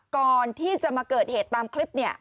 ก่อนที่จะมาเกิดเหตุตามคลิป